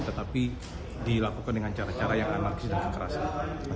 tetapi dilakukan dengan cara cara yang anarkis dan kekerasan